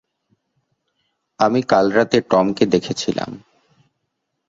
আমি কাল রাতে টমকে দেখেছিলাম।